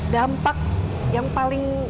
dampak yang paling